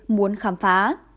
muốn khám phá